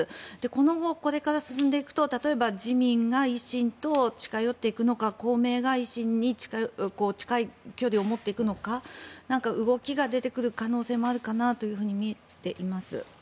今後、これが進んでいくと例えば、自民が維新に近寄っていくのか公明が維新に近い距離を持っていくのか動きが出てくる可能性もあるかとみています。